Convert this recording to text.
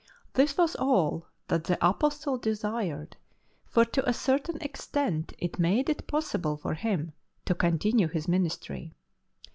This was all that the Apostle desired, for to a certain extent it made it possible for him to continue his ministry.